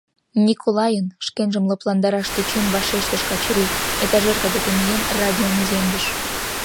— Николайын, — шкенжым лыпландараш тӧчен, вашештыш Качырий, этажерка деке миен, радиом иземдыш.